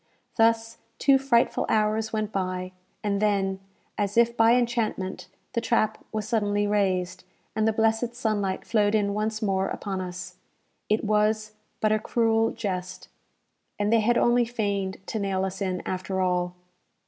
Thus two frightful hours went by; and then, as if by enchantment, the trap was suddenly raised, and the blessed sunlight flowed in once more upon us. It was, but a cruel jest, and they had only feigned to nail us in, after all!